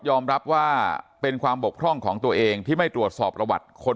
รับว่าเป็นความบกพร่องของตัวเองที่ไม่ตรวจสอบประวัติคน